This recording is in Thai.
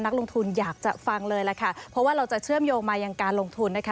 นักลงทุนอยากจะฟังเลยล่ะค่ะเพราะว่าเราจะเชื่อมโยงมายังการลงทุนนะคะ